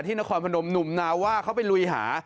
นครพนมหนุ่มนาว่าเขาไปลุยหา